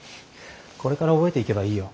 これから覚えていけばいいよ。